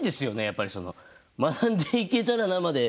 やっぱりその「学んでいけたらな」まで。